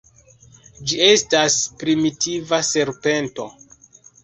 Ĝi estas primitiva serpento.